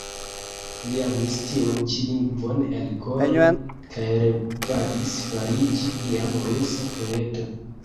Li amis tiun ĉi lingvon elkore, kaj revadis fariĝi iam rusa poeto.